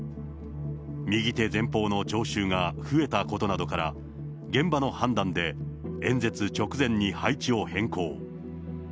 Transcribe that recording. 右手前方の聴衆が増えたことなどから、現場の判断で、演説直前に配置を変更。